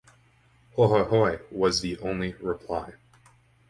‘Hoi — hoi — hoi!’ was the only reply.